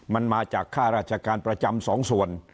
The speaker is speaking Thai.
มันมาจากค่าราชการประจำสองส่วน